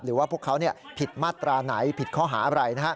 หรือว่าพวกเขาผิดมาตราไหนผิดข้อหาอะไร